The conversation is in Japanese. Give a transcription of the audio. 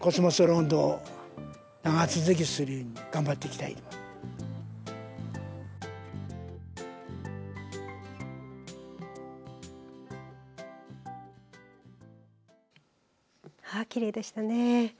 きれいでしたね。